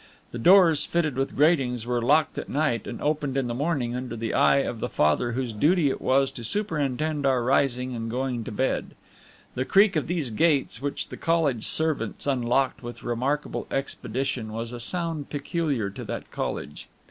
The doors, fitted with gratings, were locked at night and opened in the morning under the eye of the Father whose duty it was to superintend our rising and going to bed. The creak of these gates, which the college servants unlocked with remarkable expedition, was a sound peculiar to that college.